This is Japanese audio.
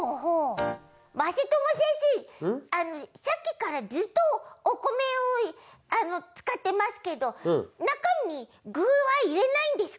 まさともせんせいさっきからずっとおこめをつかってますけどなかにぐはいれないんですか？